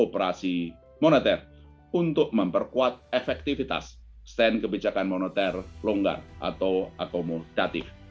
operasi moneter untuk memperkuat efektivitas stand kebijakan moneter longgar atau akomodatif